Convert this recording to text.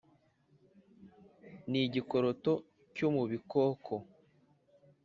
Ni igikoroto cyo mu bikoko,